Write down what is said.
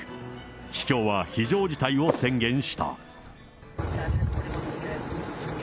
市長は非常事態を宣言した。